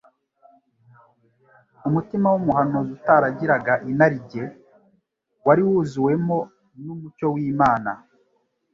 Umutima w’umuhanuzi utaragiraga inarijye, wari wuzuwemo n’umucyo w’Imana.